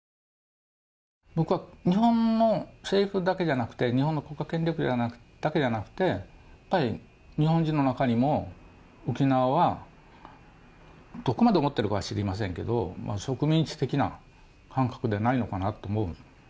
僕は日本の政府だけじゃなくて、日本の国家権力だけじゃなくて、やっぱり日本人の中にも沖縄は、どこまで思ってるかは知りませんけど、植民地的な感覚ではないのかなと思う。